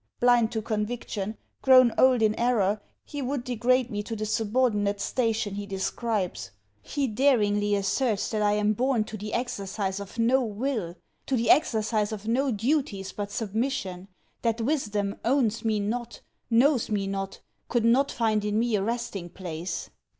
Blind to conviction, grown old in error, he would degrade me to the subordinate station he describes. He daringly asserts that I am born to the exercise of no will; to the exercise of no duties but submission; that wisdom owns me not, knows me not, could not find in me a resting place.